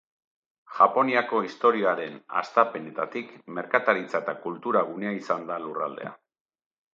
Japoniako historiaren hastapenetatik, merkataritza- eta kultura-gunea izan da lurraldea.